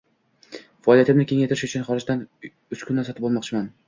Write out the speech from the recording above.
Faoliyatimni kengaytirish uchun xorijdan uskuna sotib olmoqchiman.